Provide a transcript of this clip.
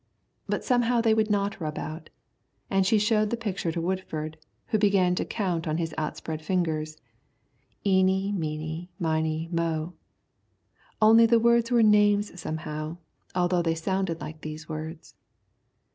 But somehow they would not rub out, and she showed the picture to Woodford, who began to count on his outspread fingers, "Eaney, meany, miny mo." Only the words were names somehow, although they sounded like these words.